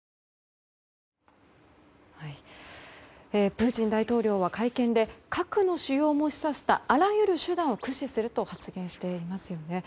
プーチン大統領は会見で核の使用も示唆したあらゆる手段を駆使すると発言していますよね。